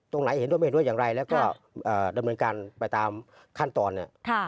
ตรงไหนเห็นด้วยไม่เห็นด้วยอย่างไรแล้วก็ดำเนินการไปตามขั้นตอนเนี่ย